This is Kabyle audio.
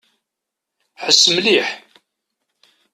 Ḥess mliḥ.